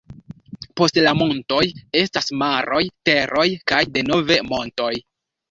Post la montoj estas maroj, teroj kaj denove montoj.